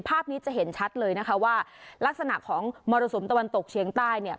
ภาพนี้จะเห็นชัดเลยนะคะว่าลักษณะของมรสุมตะวันตกเชียงใต้เนี่ย